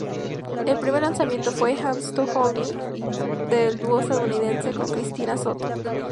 El primer lanzamiento fue ""Hands to Hold Me"", del dúo estadounidense con Cristina Soto.